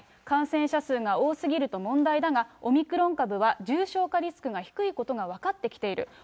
感染者数が多すぎると問題だが、オミクロン株は重症化リスクが低いことが分かってきている。